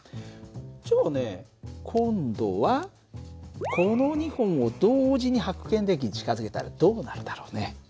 じゃあね今度はこの２本を同時にはく検電器に近づけたらどうなるだろうね？